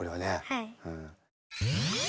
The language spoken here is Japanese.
はい。